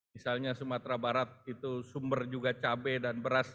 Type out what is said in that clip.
misalnya sumatera barat itu sumber juga cabai dan beras